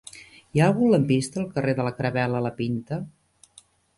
Hi ha algun lampista al carrer de la Caravel·la La Pinta?